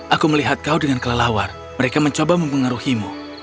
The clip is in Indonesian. aku melihat kau dengan kelelawar mereka mencoba mempengaruhimu